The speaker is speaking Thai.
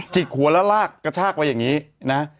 กหัวแล้วลากกระชากไปอย่างนี้นะ